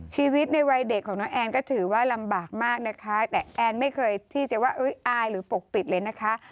ชีวิตในวัยเด็กของน้องแอนก็ถือว่าลำบากมากนะคะแต่แอนไม่เคยที่จะว่าอายหรือปกปิดเลยนะคะ